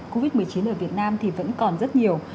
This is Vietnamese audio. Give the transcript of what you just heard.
covid một mươi chín ở việt nam thì vẫn còn rất nhiều